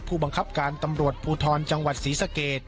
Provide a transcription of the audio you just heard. ผู้บังคับการตำรวจภูทรจังหวัดศรีสะเกด